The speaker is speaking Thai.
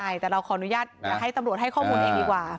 ใช่แต่เราขออนุญาตอยากให้ตำรวจให้ข้อมูลเองดีกว่า